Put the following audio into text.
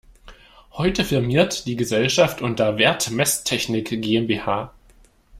Heute firmiert die Gesellschaft unter Werth Messtechnik GmbH.